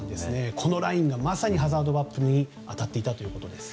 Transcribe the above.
このラインがまさにハザードマップに当たっていたということです。